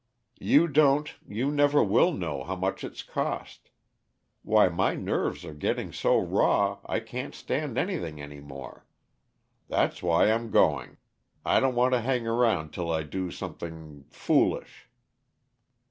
You don't you never will know how much it's cost. Why, my nerves are getting so raw I can't stand anything any more. That's why I'm going. I don't want to hang around till I do something foolish."